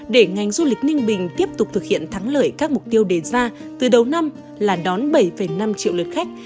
để ngành du lịch ninh bình tiếp tục thực hiện thắng lợi các mục tiêu đề ra từ đầu năm là đón bảy năm triệu lượt khách